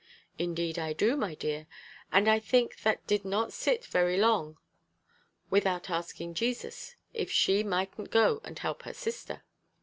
"Indeed I do, my dear. And I think that Mary did not sit very long without asking Jesus if she mightn't go and help her sister.